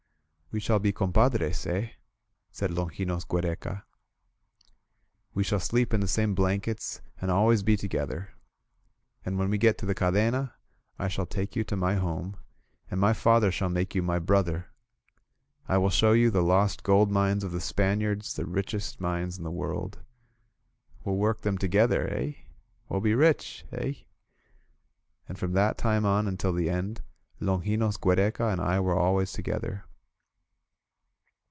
"We shall be compadres, eh?" said Longinos Giiere ca. "We shall sleep in the same blankets, and always be together. And when we get to the Cadena I shall take you to my home, and my father shall make you my brother. ... I will show you the lost gold mines of the Spaniards, the richest mines in the world. ... We'll work them together, eh? ..• We'll be rich, eh? ..." And from that time on until the end, Longinos Giiereca and I were always together.